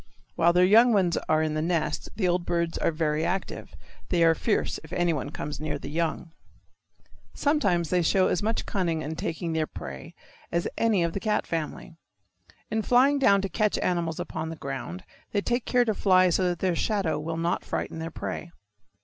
While their young ones are in the nest the old birds are very active. They are fierce if anyone comes near the young. Sometimes they show as much cunning in taking their prey as any of the cat family. In flying down to catch animals upon the ground they take care to fly so that their shadow will not frighten their prey.